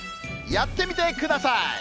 やってみてください！